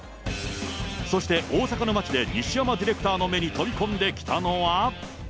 そして大阪の街で、西山ディレクターの目に飛び込んできたのは。